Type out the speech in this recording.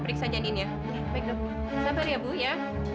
rasanya kena saya